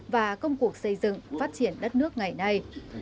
và công cuộc xây dựng phát triển đất nước ngày nay